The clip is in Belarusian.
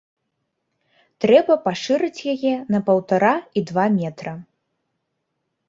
Трэба пашырыць яе на паўтара і два метра.